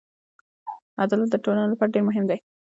عدالت د ټولنې لپاره ډېر مهم دی.